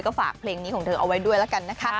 ก็ฝากเพลงนี้ของเธอเอาไว้ด้วยแล้วกันนะคะ